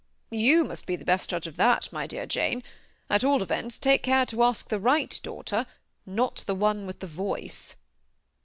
You must be the best judge of that, my dear Jane ; at all events, take care to ask the right daughter, not the one with the voice."